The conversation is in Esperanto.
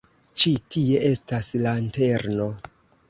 Ĉi tie estas lanterno.